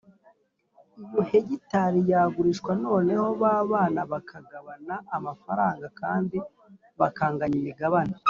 iyo hegitari yagurishwa noneho ba bana bakagabana amafaranga, kandi bakanganya imigabane.